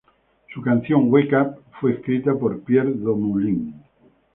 Su canción, "Wake Up", fue escrita por Pierre Dumoulin.